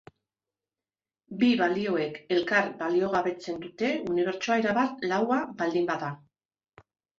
Bi balioek elkar baliogabetzen dute unibertsoa erabat laua baldin bada.